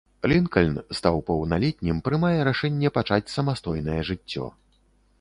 Лінкальн, стаў паўналетнім, прымае рашэнне пачаць самастойнае жыццё.